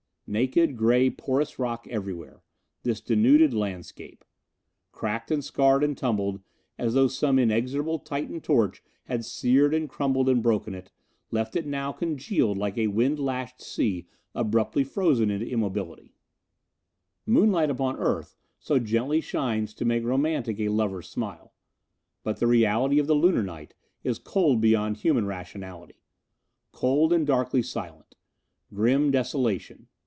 Naked, gray porous rock everywhere. This denuded landscape! Cracked and scarred and tumbled, as though some inexorable Titan torch had seared and crumbled and broken it, left it now congealed like a wind lashed sea abruptly frozen into immobility. Moonlight upon Earth so gently shines to make romantic a lover's smile! But the reality of the Lunar night is cold beyond human rationality. Cold and darkly silent. Grim desolation.